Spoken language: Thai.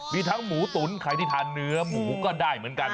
มีทั้งหมูตุ๋นใครที่ทานเนื้อหมูก็ได้เหมือนกัน